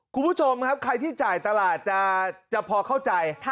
คุณผู้ชมครับใครที่จ่ายตลาดจะพอเข้าใจ